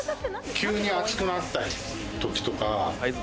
急に暑くなったりとか。